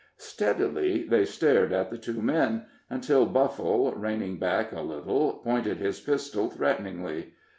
Steadily they stared at the two men, until Buffle, reining back a little, pointed his pistol threateningly.